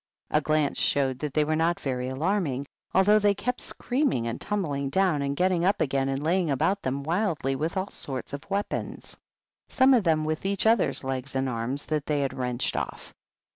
A glance showed that they were not very alarming, although they kept screaming and tumbling down and getting up again and laying about them wildly with all sorts of weapons ; some of them with each other's legs and arms that they had wrenched off.